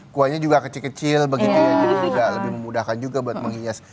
kuahnya juga kecil kecil begitu ya jadi juga lebih memudahkan juga buat menghias